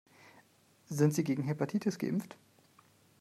Sind Sie gegen Hepatitis geimpft?